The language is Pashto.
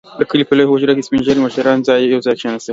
• د کلي په لويه حجره کې سپين ږيري مشران يو ځای کښېناستل.